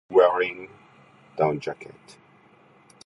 Wearing... down jacket.